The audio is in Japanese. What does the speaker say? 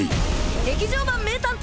劇場版名探偵